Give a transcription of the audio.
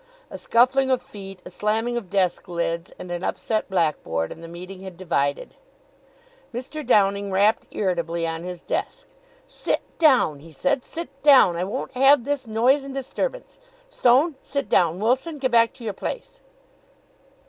A scuffling of feet, a slamming of desk lids and an upset blackboard, and the meeting had divided. Mr. Downing rapped irritably on his desk. "Sit down!" he said, "sit down! I won't have this noise and disturbance. Stone, sit down Wilson, get back to your place."